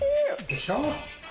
でしょ？